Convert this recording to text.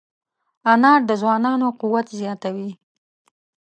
انار د ځوانانو قوت زیاتوي.